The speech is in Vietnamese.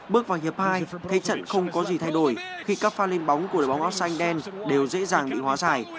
bước vào hiệp hai thế trận không có gì thay đổi khi các pha lên bóng của đội bóng ắc xanh đen đều dễ dàng bị hóa giải